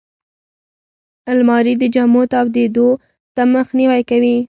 الماري د جامو تاویدو نه مخنیوی کوي